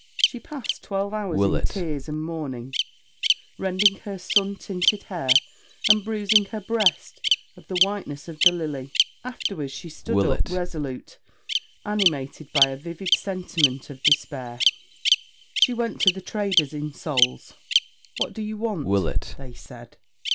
She passed twelve hours in tears and mourning, rending her sun tinted hair, and bruising her breast, of the whiteness of the lily; afterwards she stood up, resolute, animated by a vivid sentiment of despair. She went to the traders in souls. "What do you want?" they said.